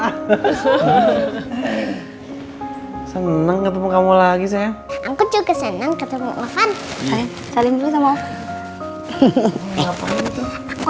hai saya seneng ketemu kamu lagi saya aku juga senang ketemu levan saling sama aku